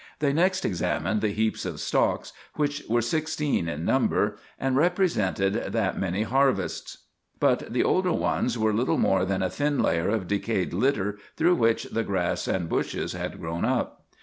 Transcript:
They next examined the heaps of stalks, which were sixteen in number, and represented that many harvests; but the older ones were little more than a thin layer of decayed litter through which the grass and bushes had grown Up.